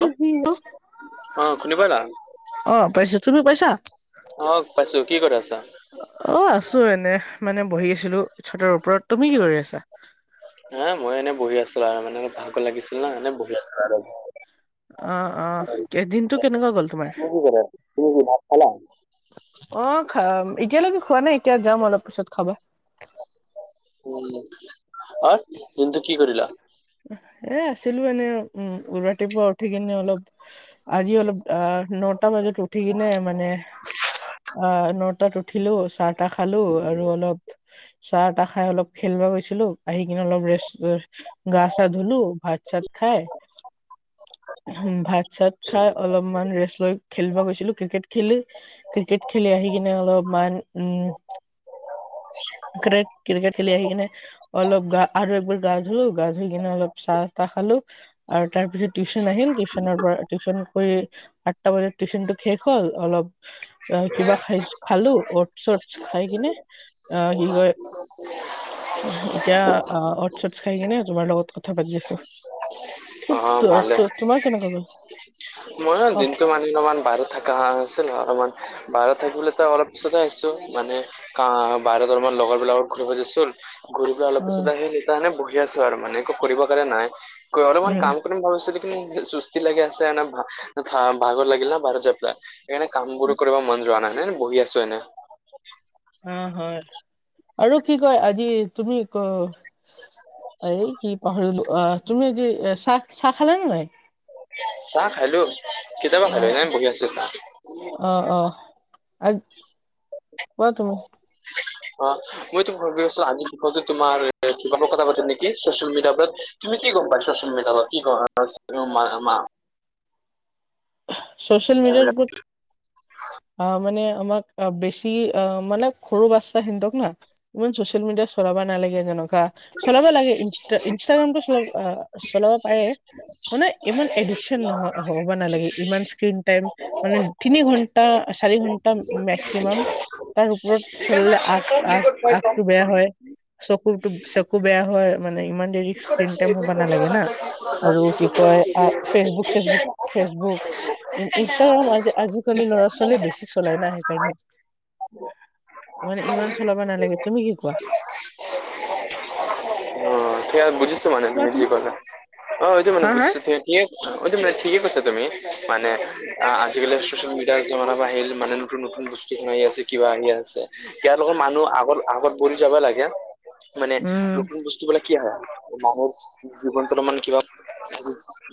[unintelligible] অ শুনি পালা অ', পাইছো, তুমি পাইছা? অ', পাইছো, কি কৰে আছা? অ', আছো এনেৱে মানে বহি আছিলো চাতৰ ওপৰত, তুমি কি কৰি আছা? হ মই এনে বহি আছিলো আৰু মানে মোৰ ভাগৰ লাগিছিল নহ, এনে বহি আছিল আৰু। আহ, আহ, এ দিনটো কেনেকুৱা গ'ল তোমাৰ? তুমি কি কৰা তুমি কি ভাত খালা অ', খা এতিয়ালৈকে খোৱা নাই, এতিয়া যাম অলপ পিছত খাবা। উম, [unintelligible] দিনটো কি কৰিলা? এ আছিলো এনে। উম, উ ৰাতিপুৱা উঠি কিনে অলপ আজি অলপ আহ, নটা বজাত উঠি কিনে মানে আহ নহ তাত উঠিলো, চাহ তাহ খালো আৰু অলপ চাহ তাহ খাই অলপ খেলিব গৈছিলো আহি কিনে অলপ ৰেষ্ট, গা-চা ধুলো ভাত চাত খাই ভাত চাত খাই অলপমান ৰেষ্ট লৈ খেলিব গৈছিলো, ক্ৰিকেট খেলি ক্ৰিকেট খেলি আহি কিনে অলপমান, উম। [unintelligible] ক্ৰিকেট খেলি আহি কিনে অলপ গা আৰু একবাৰ গা ধুলো, গা ধুই কিনে অলপ চাহ চাহ খালো, আৰু তাৰ পিছত টিউচন আহিল টিউচনৰ পৰা টিউচন কৰি, আঠটা বজাত টিউচনটো শেষ হ'ল অলপ অ', কিবা খাই খালো, অটছ চটছ খাই কিনে অ কি কয় [unintelligible] এতিয়া অটছ-চটছ খাই কিনে, তোমাৰ লগত কথা পাতি আছো। অ [unintelligible] তোমাৰ কেনেকুৱা গ'ল? মই ন অ দিনটো মানে অলমান বাহিৰত থাকা আছিল, অলমান বাহিৰত থাকি অলপ [unintelligible] মানে কা বাহিৰত অলমান লগৰ বিলাকৰ ঘূৰি, [unintelligible] ঘূৰি অলপ অ পিছত আহি শিকি আছো আৰু মানে, একো কৰিব কাৰণে নাই। অলমান উম কাম কৰিম ভাবিছিলো, কিন্তু চুস্তি লাগি আছে ভাগৰ লাগিলে না বাহিৰত যোৱা পেলা, সেইকাৰণে কাম বোৰো কৰিব মন যোৱা নাই ন বহি আছো এনে। অ', হয়, আৰু কি কয় আজি তুমি ক এই কি পাহৰিলো, আহ তুমি যি চা-চাহ খালে নে নাই? চাহ খালো, কেতিয়াবা অ খালো এনেই বহি আছো। অ', অ'। আ কোৱা তুমি? অ', মইতো ভাবি আছো আজি বিষয়তো তোমাৰ [unintelligible] কথা পাতিম নেকি চচিয়েল মিডিয়া ওৰৰত। তুমি কি [unintelligible] পাই চচিয়েল মিডিয়াত কি চ'চিয়েল মিডিয়াৰ ওপৰত আহ, মানে আমাক বেছি অ, মানে সৰু বাচ্ছা হিতক না। ইমান চচিয়েল মিডিয়াত চলাব নালাগে যেনেকুৱা, চলাব লাগে, ইন-ইনষ্টাগ্ৰামতটো চল চলাব পাৰে। মানে ইমান এডিকশচন নহ হ'ব নালাগে। তিন টাইম মানে তিনি ঘন্টা, চাৰি ঘন্টা মেক্সিমাম তাৰ ওপৰত চলালে আখ-আখ-আখটো বেয়া হয়, চকুটো চকু বেয়া হয়, মানে ইমান দেৰিক স্কিনতে মুবাবা নালাগে না, আৰু কি কিয় অ, ফেচবুক-চেচবুক, ফেচবুক ইনষ্টাগ্ৰাম আজি-আজি কালি ল'ৰা ছোৱালীয়ে বেছি চলাই। সেইকাৰণে মানে ইমান চলাব নালাগে, তুমি কি কোৱা? অ, এতিয়া বুজিছো মানে তুমি যি কলা অ, সেইটো মানে হা হা বুজিছো তই তিয়েই মানে ঠিকে কৈছে তুমি মানে আজিকালি চচিয়েল মিডিয়াৰ জা বা আহ মানে নতুন-নতুন বস্তু কি আছে কিবা আহি আছে ইয়াৰ লগৰ মানুহ আগত-আগত বদি যাব লাগে। মানে উম নতুন বস্তুবিলাক কি হয়, মানুহৰ জীৱনটো অলপমান কিবা,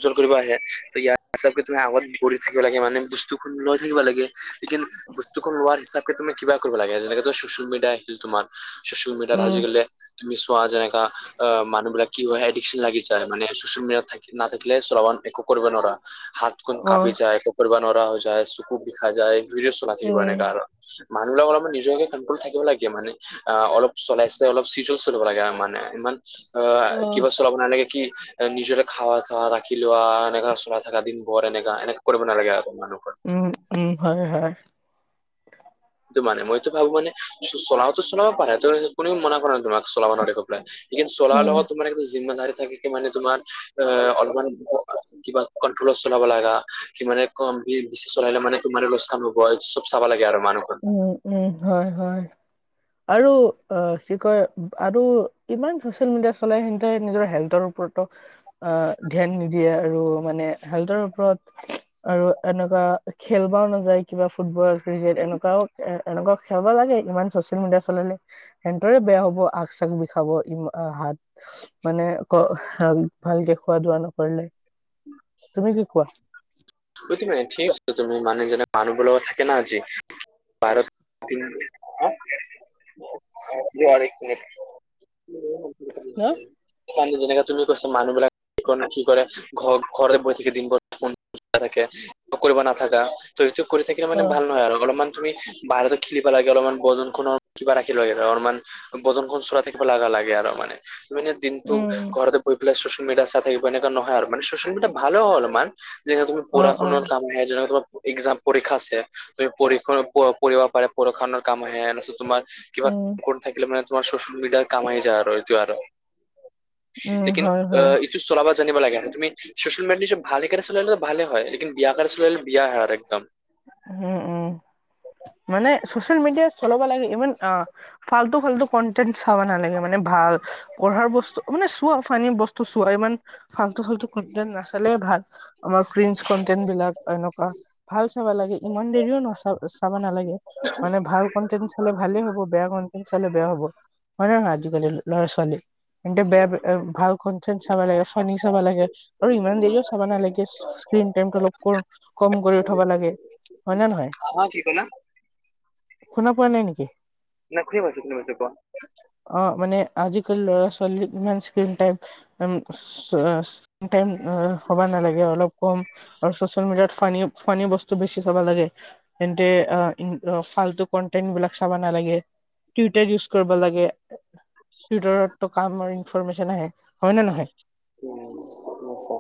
চল কৰিব আহে ত ইয়াৰ হিচাপকে তুমি আগত গৰি থাকিব লাগে মানে বস্তু খু লৈ থাকিব লাগে। কিন্ত বস্তুখন লোৱাৰ হিচাপে তুমি কিব কৰিব লাগে, যেনেকে চচিয়েল মেডিয়া আহিল তোমাৰ। চচিয়েল মিডিয়াত উম আজিকালে তুমি চোৱা যেনেকা অ, মানুহ বিলাক কি হয়, এডিকশ্বন লাগি যায় মানে চচিয়েল মিডিয়াত নাথাকিলে চলাবা একো কৰিব নোৱাৰা হা, কুম অ কাপি যায়, কপৰ বনৰা হৈ যায়, চকু বিষাই যায় ভিদিঅ' চুনা থাক বান উম গ মানুহ লগক অলপমান নিজকে কণ্ট্ৰল থাকিব লাগে মানে। অ, অলপ চলাইছে অলপ চিজত চলিব লাগে মানে, ইমান অ, কিবা চলাব নালাগে কি? নিজৰে খাৱা খা ৰাখি লোৱা এনেককা চলাই থাককা দিন পৰ এনেকা-এনেকা কৰিব নালাগে আৰু মানুহৰ। উম, উম, হয়-হয়। টো মানে মইতো ভাবো মানে চলাও চলাব পাৰে তোমাক কোনেও মনা কৰা নাই তোমাক। ছলাব নোৱাৰে গৈ পেলাই লেকীন চলাহ উম লগত তোমাৰ একটা জিমদাৰী থাকে। মানে তোমাৰ অ, অলপমান কিবা কন্ট্ৰলত চলাব লাগা সিমানে কম বেছি চলে মানে তোমাৰেই লোকচান হব। ব চব চাবা লাগে আৰু মানুহৰ। উম, উম, হয়-হয়। আৰু অ, কি কয় আৰু ইমান চচিয়েল মিডিয়া চলাই, সেনেতে নিজৰ হেল্থৰ ওপৰতো অ, ধ্যান নিদিয়ে আৰু মানে হেল্থৰ ওপৰত। আৰু এনেকুৱা খেলবাও নাযায় কিবা ফুটবল ক্ৰিকেট এনেকুৱা। এ এনেকুৱা খেলাব লাগে ইমান চচিয়েল মিডিয়া চলালে। সেহতৰে বেয়া হ'ব, আগ চাগ বিষাব ই হাত। মানে ভালকে খোৱা দোৱা নকৰিলে তুমি কি কোৱা? প্ৰতি ম ঠিক আছে। তুমি মানে যেনে মানুহ বোল থাকে ন আজি বা ম হ য আৰু এক মিনট [unintelligible] ন নিশ্চ [unintelligible] পাণ্ড যেনেকে তুমি কৈছা মানুহ বিলাক কি কৰে ন কি কৰে ঘ ঘৰে বহি থাকি দিনবোৰ, ফোন থাকে কৰিব নথাকা। ত' এইটো কৰি থাকিলে মানে অ', ভাল নহয় আৰু অলপমান, তুমি বাহিৰো খেলিবা লাগে, অলপমান বদন খনৰ কিবা ৰাখিল লাগে অলমান। বদনখন চৰা থাকিব লাগা লাগে আৰু মানে তুমি দিনটো উম, ঘৰতে বহি পেলাই চচিয়েল মিডিয়া চাই থাকিব এনেকুৱা নহয় আৰু মান সোচিয়েল মিডিয়া ভালে হ'ল অলপমান। যেনে তুমি পঢ়া অ', শুনাৰ অ', কাম আহে, যেনে তোমাৰ এক্সাম পৰীক্ষা আছে। তুমি পৰী কৰিব পাৰে পৰষুণৰ কাম আহে, তোমাৰ কিবা উম, থাকিলে মানে তোমাৰ চচিয়েল মিডিয়া কাম আহি যায় আৰু এইটো আৰু উম, লেকিণ হয়, হয়, চলাব জানিব লাগে। তুমি চচিয়েল মেডিয়াত ভাল চলা ভালে হয়, লেকিন বিয়া কাৰে চললে বিয়া হয় আৰু একদম। উম, উম, মানে চচিয়েল মিডিয়া চলব লাগে। ইমান অ, ফাল্তু-ফাল্তু কনটেণ্ট চাব নালাগে। মানে ভাল, পঢ়াৰ বস্তু মানে চোৱা পানী বস্তু চোৱা ইমান আল্টু-ফাল্টু নাচালেই ভাল আমাৰ কন্টেন্টবিলাক এনেকুৱা, ভাল চাবা লাগে ইমান দেৰিও নচ চাবা নালাগে। মানে ভাল কন্টেনট চাললে ভালেই হ'ব, বেয়া কন্টেনট চালে বেয়া হ'ব। [unintelligible] আজিকালিৰ ল'ৰা-ছোৱালী। কিন্তু বেয়া কোট ভাল কোট-চোট চাব লাগে, ফানি চাবা লাগে আৰু ইমান দেৰিও চাব নালাগে। স্ক্ৰীন টাইম অলপ ক-কম কৰি উঠবা লাগে হয়নে নহয়? আমাৰ সেইবিলাক শুনা পোৱা নাই নেকি? না ঠিক আছে ঠিক আছে কোৱা। অহ, মানে আজিকালি ল'ৰা-ছোৱালী ইমান স্ক্ৰীন টাইম টাইম হ'ব নালাগে আৰু অলপ কম আৰু চচিয়েল মিডিয়াত ফা ফানী বস্তু বেছি চাব লাগে। তে অহ, ফাল্টু কন্টেনবিলাক চাব নালাগে। টুটাৰ ইউজ কৰিব লাগে, টুইটাৰতটো কামৰ ইনফৰমেশ্যন আহে। হয়নে নহয়? উম, শুনিছা।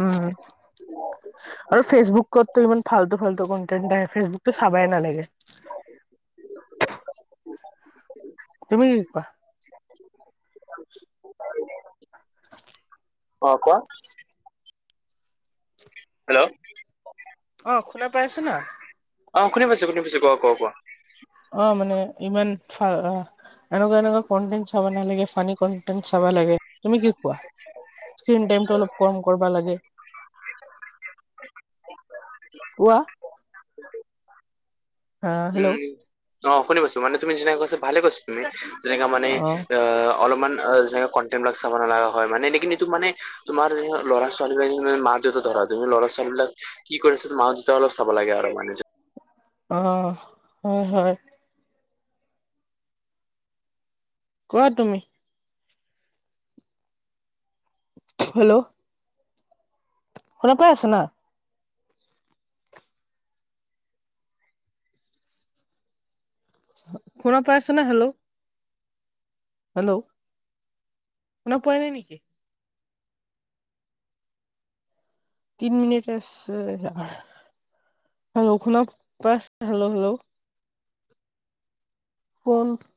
উম [unintelligible] আৰু ফেচবুকতো ইমান ফাল্টু-ফাল্টু কণ্টেন আহে ফেচবুকতো চাবাই নালাগে। তুমি কি কোৱা? [unintelligible] অহ, কোৱা। [unintelligible] হেল্ল'। অহ, শুনা পাই আছানা? অহ, শুনি পাইছোঁ শুনি পাইছোঁ। কোৱা-কোৱা-কোৱা। অহ, মানে ইমান ফা এনেকুৱা-এনেকুৱা কণ্টেন চাব নালাগে, ফানী কণ্টেন চাব লাগে। তুমি কি কোৱা? স্ক্ৰীন টাইমটো অলপ কম কৰিবা লাগে। [unintelligible] কোৱা? হা হেল্ল' উম', অহ' শুনি পাইছো মানে তুমি যেনেকে কৈছা ভালে কৈছা। যেনেকা মানে অ অহ, অলপমান কণ্টেনবিলাক চাব নালাগা হয়, মানে এনেকে নিতো মানে তোমাৰ ল'ৰা-ছোৱালীবিলাকৰ মা-দেউতা ধৰা তুমি ল'ৰা-ছোৱালীবিলাক কি কৰেচোন মা-দেউতা অলপ চাব লাগে আৰু মানে অহ', হয়, হয়। কোৱা তুমি? হেল্ল'। শুনা পাই আছানা? শুনা পাই আছনে, হেল্ল'? হেল্ল' শুনা পোৱা নাই নেকি? তিনি মিনিট আছে, হেল্ল' শুনা পাই আছা হেল্ল', হেল্ল'। শুন